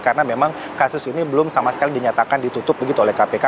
karena memang kasus ini belum sama sekali dinyatakan ditutup begitu oleh kpk